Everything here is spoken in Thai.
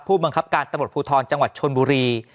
ผู้บังคับการตำรวจภูทรจังหวัดชนบุรี